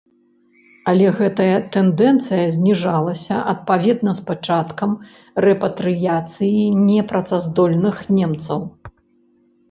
Але гэта тэндэнцыя зніжалася адпаведна з пачаткам рэпатрыяцыі непрацаздольных немцаў.